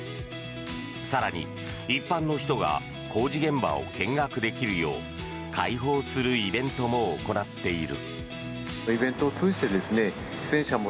更に、一般の人が工事現場を見学できるよう開放するイベントも行っている。